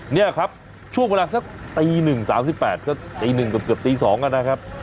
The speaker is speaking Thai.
นี้ครับช่วงเวลาสักตี๑๓๐ตีเกือบตี๑๙๐๐น็นะครับ